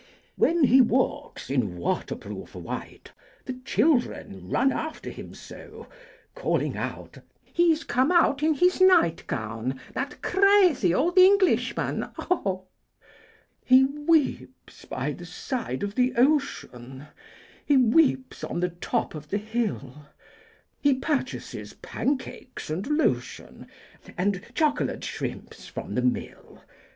When he walks in waterproof white, The children run after him so! Calling out, "He's come out in his night Gown, that crazy old Englishman, oh!" He weeps by the side of the ocean, He weeps on the top of the hill; He purchases pancakes and lotion, And chocolate shrimps from the mill.